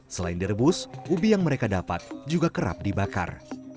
selain direbus ubi yang mereka dapat juga kerap dibakar